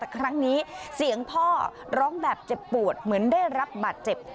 แต่ครั้งนี้เสียงพ่อร้องแบบเจ็บปวดเหมือนได้รับบาดเจ็บ